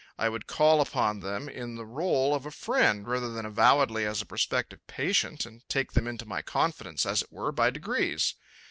I would call upon them in the rôle of a friend rather than avowedly as a prospective patient, and take them into my confidence, as it were, by degrees.